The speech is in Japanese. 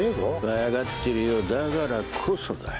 分かってるよだからこそだ。